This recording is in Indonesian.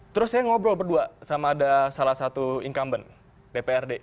terus saya ngobrol berdua sama ada salah satu incumbent dprd